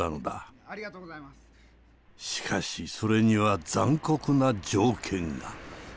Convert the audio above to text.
しかしそれには残酷な条件が。